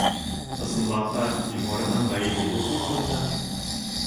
Ысынлап та, Илмарҙың ғәйебе юҡ бит бында.